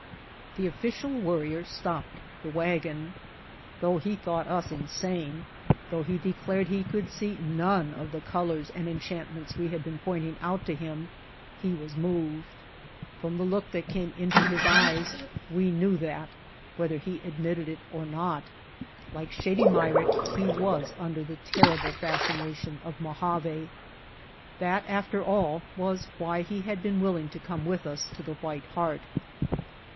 The Official Worrier stopped the wagon. Though he thought us insane, though he declared he could see none of the colors and enchantments we had been pointing out to him, he was moved. From the look that came into his eyes we knew that, whether he admitted it or not, like Shady Myrick he was under the terrible fascination of Mojave. That, after all, was why he had been willing to come with us to the White Heart.